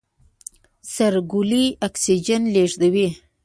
سره ګولۍ اکسیجن لېږدوي.